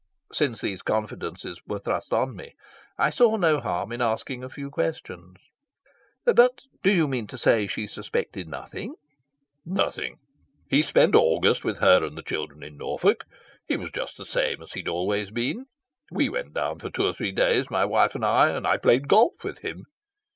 Since these confidences were thrust on me, I saw no harm in asking a few questions. "But do you mean to say she suspected nothing?" "Nothing. He spent August with her and the children in Norfolk. He was just the same as he'd always been. We went down for two or three days, my wife and I, and I played golf with him.